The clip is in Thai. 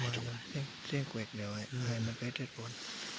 ทุกวันจะเกือบอยู่ในสถานที่ไทย